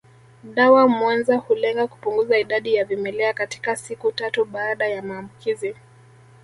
Dawa mwenza hulenga kupunguza idadi ya vimelea katika siku tatu baada ya maambukizi